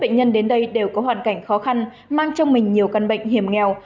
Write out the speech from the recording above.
bệnh nhân đến đây đều có hoàn cảnh khó khăn mang trong mình nhiều căn bệnh hiểm nghèo